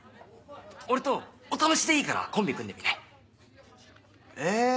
俺とお試しでいいからコンビ組んでみない？